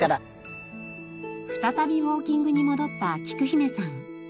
再びウォーキングに戻ったきく姫さん。